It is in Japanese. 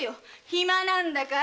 暇なんだから！